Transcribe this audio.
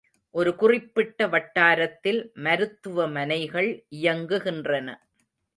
ஒரு குறிப்பிட்ட வட்டாரத்தில் மருத்துவமனைகள் இயங்குகின்றன.